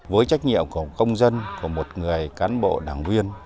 với trách nhiệm của công dân của một người cán bộ đảng viên